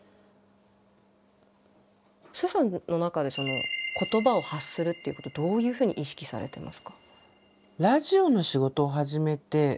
スーさんの中で言葉を発するっていうことどういうふうに意識されてますか？